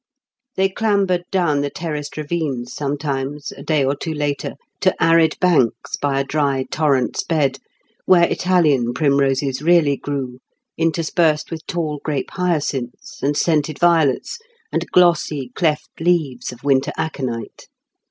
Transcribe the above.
They clambered down the terraced ravines sometimes, a day or two later, to arid banks by a dry torrent's bed where Italian primroses really grew, interspersed with tall grape hyacinths, and scented violets, and glossy cleft leaves of winter aconite.